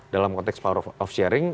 dalam konteks power of sharing